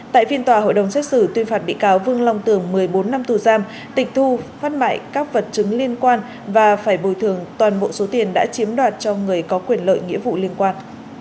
tại phiên tòa hội đồng xét xử tuyên phạt bị cáo vương long tường một mươi bốn năm tù giam tịch thu phát mại các vật chứng liên quan và phải bồi thường toàn bộ số tiền đã chiếm đoạt cho người có quyền lợi nghĩa vụ liên quan